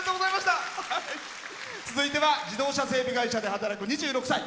続いては自動車整備会社で働く２６歳。